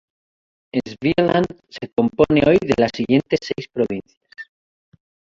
Svealand se compone hoy de las siguientes seis provincias.